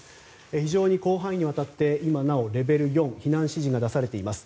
非常に広範囲にわたって今なおレベル４、避難指示が出されています。